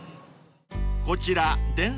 ［こちら］